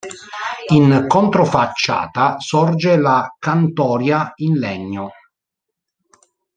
In controfacciata sorge la cantoria in legno.